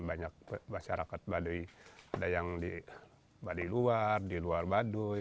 banyak masyarakat baduy ada yang di baduy luar di luar baduy